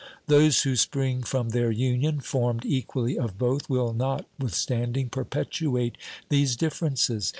Those who spring from their union, formed equally of both, will notwithstanding perpetuate these differences.